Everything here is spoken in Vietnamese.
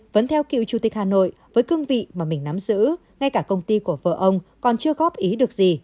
vẫn theo cựu chủ tịch hà nội với cương vị mà mình nắm giữ ngay cả công ty của vợ ông còn chưa góp ý được gì